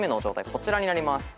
こちらになります。